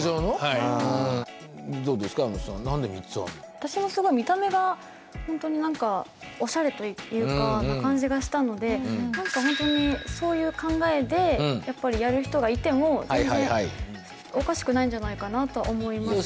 私もすごい見た目がほんとに何かオシャレというかな感じがしたので何か本当にそういう考えでやっぱりやる人がいても全然おかしくないんじゃないかなと思いますね。